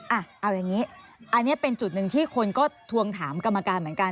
เอาอย่างนี้อันนี้เป็นจุดหนึ่งที่คนก็ทวงถามกรรมการเหมือนกัน